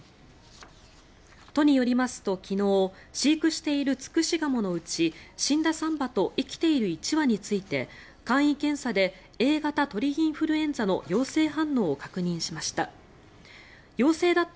都によりますと飼育しているツクシガモのうち死んだ３羽と生きている１羽について簡易検査でＡ型鳥インフルエンザの陽性反応を確認しました。